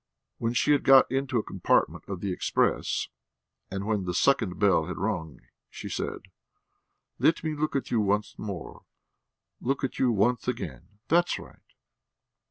When she had got into a compartment of the express, and when the second bell had rung, she said: "Let me look at you once more ... look at you once again. That's right."